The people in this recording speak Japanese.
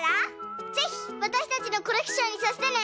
ぜひわたしたちのコレクションにさせてね！